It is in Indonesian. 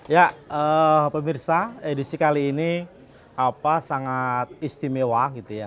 ya pemirsa edisi kali ini sangat istimewa gitu ya